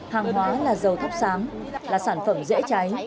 hàng hóa là dầu thấp sám là sản phẩm dễ cháy